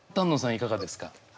いかがですか？